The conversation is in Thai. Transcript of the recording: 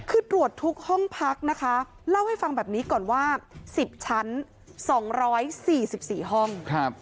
คือตรวจทุกห้องพักนะคะเล่าให้ฟังแบบนี้ก่อนว่า๑๐ชั้น๒๔๔ห้อง